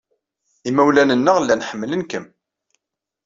Imawlan-nneɣ llan ḥemmlen-kem.